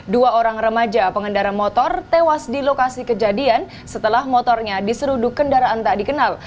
dua orang remaja pengendara motor tewas di lokasi kejadian setelah motornya diseruduk kendaraan tak dikenal